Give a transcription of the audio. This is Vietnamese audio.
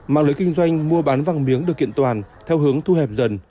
mạng lưới kinh doanh mua bán vàng miếng được kiện toàn theo hướng thu hẹp dần